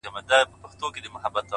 اغزي چاپيره دي تر ما; خالقه گل زه یم;